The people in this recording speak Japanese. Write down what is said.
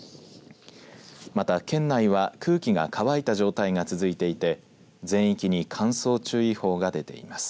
また、県内は空気が乾いた状態が続いていて全域に乾燥注意報が出ています。